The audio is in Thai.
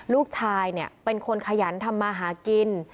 ลูกชายเป็นคนขยันทำมาหากิน